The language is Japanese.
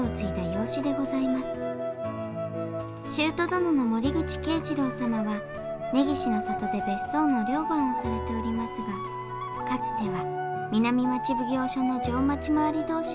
舅殿の森口慶次郎様は根岸の里で別荘の寮番をされておりますがかつては南町奉行所の定町廻り同心でございました。